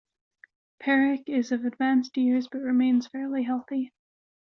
Peric is of advanced years but remains fairly healthy.